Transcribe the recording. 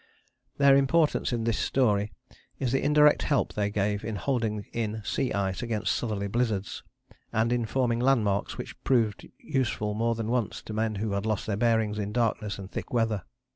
Their importance in this story is the indirect help they gave in holding in sea ice against southerly blizzards, and in forming landmarks which proved useful more than once to men who had lost their bearings in darkness and thick weather.